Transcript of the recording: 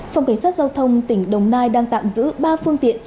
phòng cảnh sát giao thông tỉnh đồng nai đang tạm giữ ba phương tiện